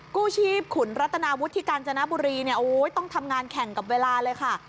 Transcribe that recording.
กู้ชีพขุนรัตนาวุฒิที่กาญจนบุรีเนี่ยโอ้ยต้องทำงานแข่งกับเวลาเลยค่ะ